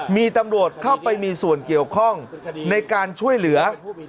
มีตำรวจเข้าไปมีส่วนเกี่ยวข้องในการช่วยเหลือ